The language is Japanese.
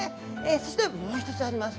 そしてもう１つあります。